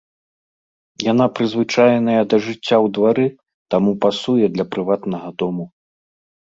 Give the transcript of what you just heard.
Яна прызвычаеная да жыцця ў двары, таму пасуе для прыватнага дому.